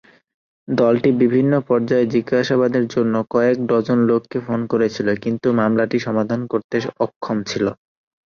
দলটি বিভিন্ন পর্যায়ে জিজ্ঞাসাবাদের জন্য কয়েক ডজন লোককে ফোন করেছিল, কিন্তু মামলাটি সমাধান করতে অক্ষম ছিল।